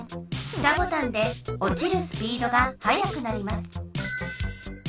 下ボタンでおちるスピードがはやくなります。